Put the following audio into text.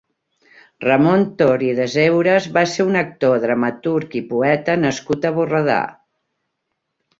Ramon Tor i Deseures va ser un actor, dramaturg i poeta nascut a Borredà.